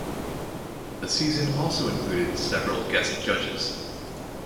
The season also included several guest judges.